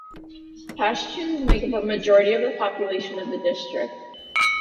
Pashtuns make up majority of the population of the district.